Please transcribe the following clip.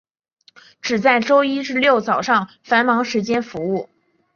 只在周一至六早上繁忙时间服务。